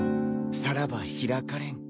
さらば開かれん。